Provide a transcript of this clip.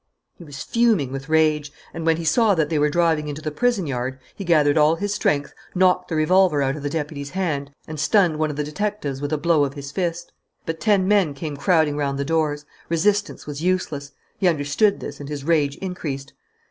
He was fuming with rage, and when he saw that they were driving into the prison yard, he gathered all his strength, knocked the revolver out of the deputy's hand, and stunned one of the detectives with a blow of his fist. But ten men came crowding round the doors. Resistance was useless. He understood this, and his rage increased.